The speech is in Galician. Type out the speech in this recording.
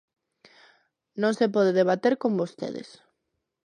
Non se pode debater con vostedes.